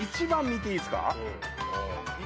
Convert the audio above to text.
１番見ていいっすか？